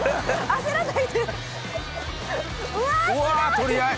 うわ取り合い。